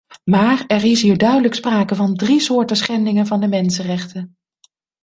Maar er is hier duidelijk sprake van drie soorten schendingen van de mensenrechten.